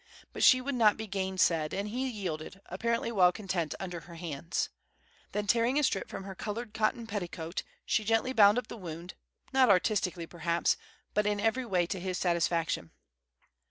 But she would not be gainsaid, and he yielded, apparently well content under her hands. Then, tearing a strip from her colored cotton petticoat, she gently bound up the wound, not artistically, perhaps, but in every way to his satisfaction.